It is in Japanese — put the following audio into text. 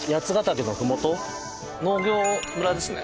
農業村ですね。